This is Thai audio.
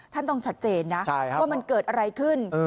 ท่านต้องชัดเจนนะว่ามันเกิดอะไรขึ้น